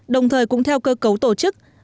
đồng thời cũng theo cơ cấu tổ chức